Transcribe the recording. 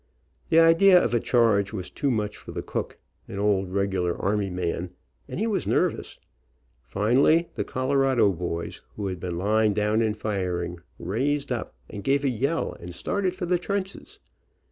The idea of a charge was too much for the cook, an old regular army man, and he was nervous. Finally the Colo rado boys who had been lying down and firing, raised up and gave a yell and started for the trenches.